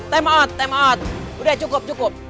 time out time out udah cukup cukup